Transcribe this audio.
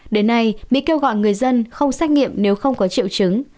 đến nay mỹ kêu gọi người dân không xét nghiệm nếu không có triệu chứng